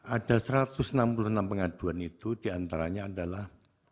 ada satu ratus enam puluh enam pengaduan itu diantaranya adalah